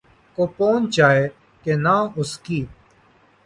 کو پہنچ جائے کہ نہ اس کی